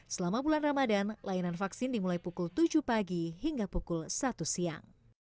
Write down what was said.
selama bulan ramadan layanan vaksin dimulai pukul tujuh pagi hingga pukul satu siang